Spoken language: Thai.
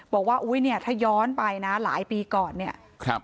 บอกว่าอุ้ยเนี่ยถ้าย้อนไปนะหลายปีก่อนเนี่ยครับ